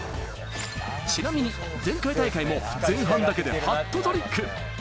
ちなみに前回大会も前半だけでハットトリック！